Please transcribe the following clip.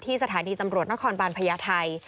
สถานีตำรวจนครบาลพญาไทย